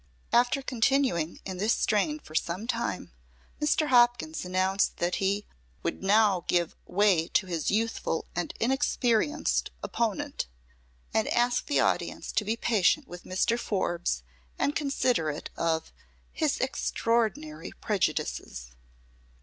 After continuing in this strain for some time, Mr. Hopkins announced that "he would now give way to his youthful and inexperienced opponent," and asked the audience to be patient with Mr. Forbes and considerate of "his extraordinary prejudices."